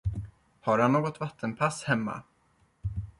Har han något vattenpass hemma?